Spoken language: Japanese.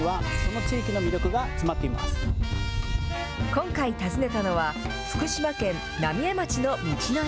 今回訪ねたのは、福島県浪江町の道の駅。